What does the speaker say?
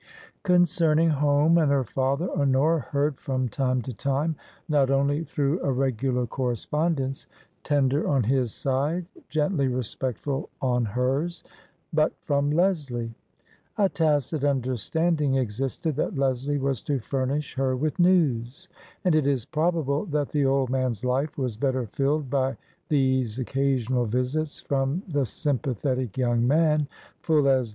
Concerning home and her father Honora heard from time to time, not only through a regular correspond ence — tender on his side, gently respectful on hers — but from Leslie. A tacit understanding existed that Leslie was to furnish her with news ; and it is probable that the old man's life was better filled by these occa sional visits from the sympathetic young man, full as 20 230 TRANSITION.